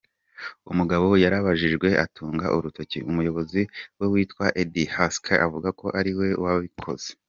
Umugabo yarabibajijwe atunga urutoki umuyobozi we witwa Eddie Haskell avuga ko ari we wabikoze.